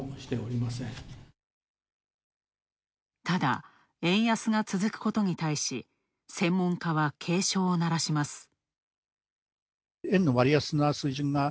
ただ、円安が続くことに対し、専門家は警鐘を鳴らします。